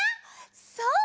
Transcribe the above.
そう！